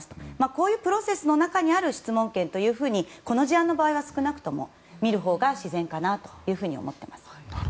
こういうプロセスの中にある質問権というふうにこの事案の場合は少なくとも、見るほうが自然かなと思っています。